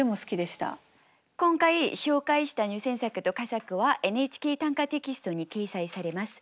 今回紹介した入選作と佳作は「ＮＨＫ短歌」テキストに掲載されます。